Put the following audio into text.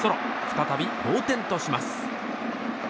再び同点とします。